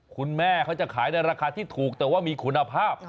คุณแม่เขาจะขายในราคาที่ถูกแต่ว่ามีคุณภาพ